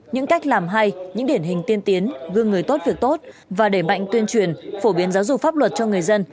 những cách làm hay những điển hình tiên tiến gương người tốt việc tốt và đẩy mạnh tuyên truyền phổ biến giáo dục pháp luật cho người dân